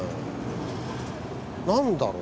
何だろう？